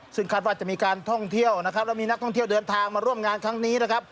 ซึ่งคาดว่าจะมีการท่องเที่ยวและมีนักท่องเที่ยวเดินทางมาร่วมงานครั้งนี้